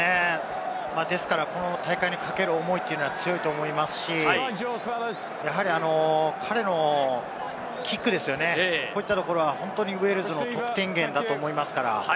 ですから、この大会に懸ける思いは強いと思いますし、やはり彼のキックですよね、こういったところは本当にウェールズの得点源だと思いますから。